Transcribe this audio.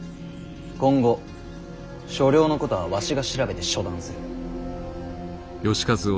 今後所領のことはわしが調べて処断する。